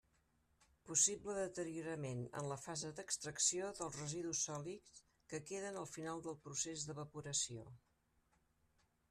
Possible deteriorament en la fase d'extracció dels residus sòlids que queden al final del procés d'evaporació.